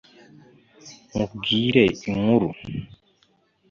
nkubwire inkuru